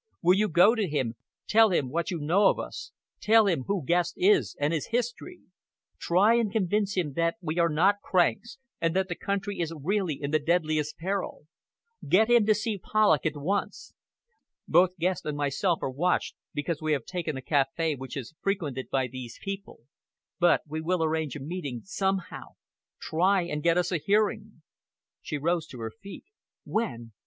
Will you go to him, tell him what you know of us, tell him who Guest is and his history? Try and convince him that we are not cranks, and that the country is really in the deadliest peril. Get him to see Polloch at once. Both Guest and myself are watched, because we have taken a café which is frequented by these people, but we will arrange a meeting, somehow. Try and get us a hearing." She rose to her feet. "When?"